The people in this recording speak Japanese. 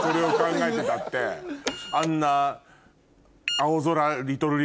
あんな。